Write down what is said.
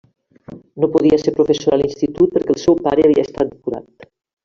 No podia ser professora a l'institut perquè el seu pare havia estat depurat.